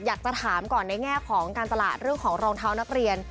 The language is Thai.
อยากจะถามก่อนในแง่ของการตลาดเรื่องของรองเท้านักเรียน